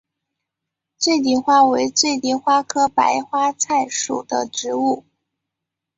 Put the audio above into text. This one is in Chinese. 醉蝶花为醉蝶花科白花菜属的植物。